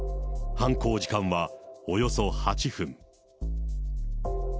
犯行時間はおよそ８分。